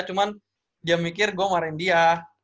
cuman dia mikir gue ngeluarin dia